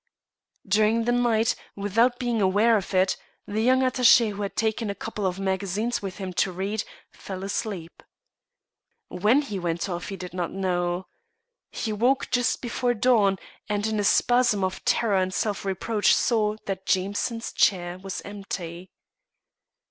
During the night, without being aware of it, the young attaché, who had taken a couple of magazines with him to read, fell asleep. When he went off he did not know. He woke just before dawn, and in a spasm of terror and self reproach saw that Jameson's chair was empty.